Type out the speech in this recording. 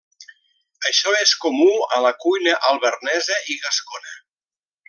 Això és comú a la cuina alvernesa i gascona.